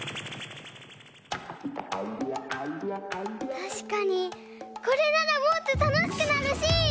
たしかにこれならもっとたのしくなるし！